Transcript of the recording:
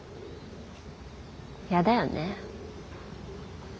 やだよね。